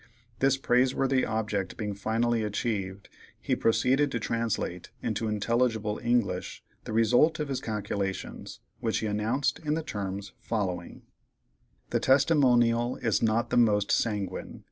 This praiseworthy object being finally achieved, he proceeded to translate into intelligible English the result of his calculations, which he announced in the terms following: "The testimonial is not the most sanguine.